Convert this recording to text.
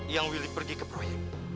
yang willy pergi ke proyek